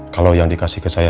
kalau yang dikasih ke saya